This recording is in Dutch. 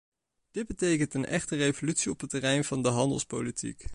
Dit betekent een echte revolutie op het terrein van de handelspolitiek.